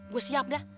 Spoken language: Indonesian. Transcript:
gue siap dah